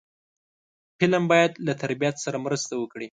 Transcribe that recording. فلم باید له تربیت سره مرسته وکړي